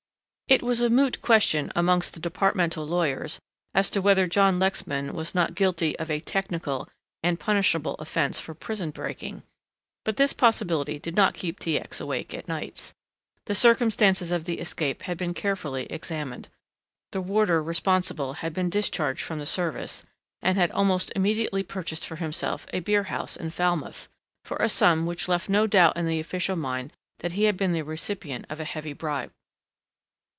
It was a moot question amongst the departmental lawyers as to whether John Lexman was not guilty of a technical and punishable offence for prison breaking, but this possibility did not keep T. X. awake at nights. The circumstances of the escape had been carefully examined. The warder responsible had been discharged from the service, and had almost immediately purchased for himself a beer house in Falmouth, for a sum which left no doubt in the official mind that he had been the recipient of a heavy bribe.